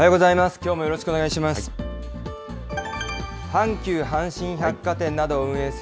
きょうもよろしくお願いします。